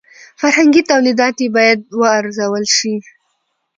فرهنګي تولیدات یې باید وارزول شي.